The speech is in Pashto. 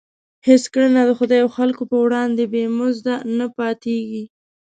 هېڅ کړنه د خدای او خلکو په وړاندې بې مزده نه پاتېږي.